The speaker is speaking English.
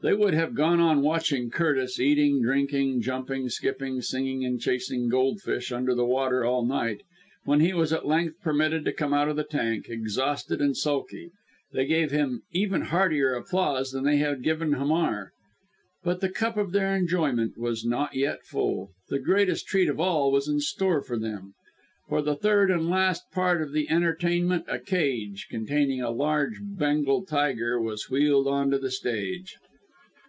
They would have gone on watching Curtis eating drinking jumping skipping singing and chasing gold fish under the water all night, and when he was at length permitted to come out of the tank exhausted and sulky they gave him even heartier applause than they had given Hamar. But the cup of their enjoyment was not yet full. The greatest treat of all was in store for them. For the third and last part of the entertainment, a cage, containing a large Bengal tiger, was wheeled on to the stage.